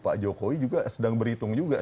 pak jokowi juga sedang berhitung juga